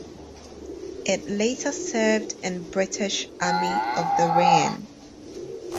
It later served in British Army of the Rhine.